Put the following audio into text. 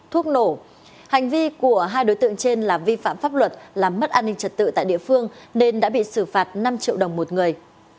thuốc nổ hành vi của hai đối tượng trên là vi phạm pháp luật làm mất an ninh trật tự tại địa phương nên đã bị xử phạt năm triệu đồng một người